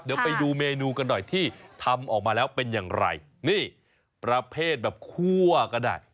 เดี๋ยวไปดูเมนูกันหน่อยที่ทำออกมาแล้วเป็นอย่างไรนี่ประเภทแบบคั่วก็ได้